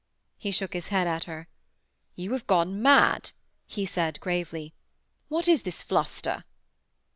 He shook his head at her. 'You have gone mad,' he said gravely. 'What is this fluster?'